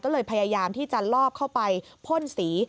ก็เลยพยายามที่จะลอบเข้าไปพ่นสี